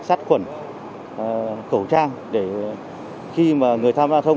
thuật khuẩn khẩu trang để khi mà người tham gia đoan thông